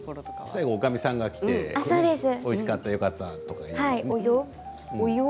最後おかみさんが来ておいしかったよかった、よかったとか。